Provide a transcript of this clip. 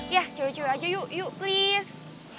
yah cewek cewek aja yuk yuk please